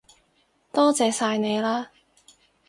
多謝晒你喇